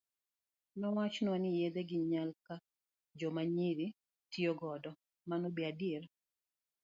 Nowachnwa ni yedhe gi nyaka joma nyiri tiyo godo, mano be adier?